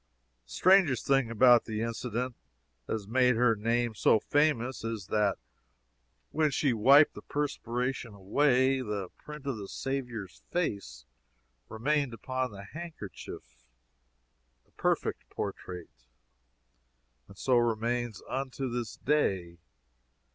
The strangest thing about the incident that has made her name so famous, is, that when she wiped the perspiration away, the print of the Saviour's face remained upon the handkerchief, a perfect portrait, and so remains unto this day.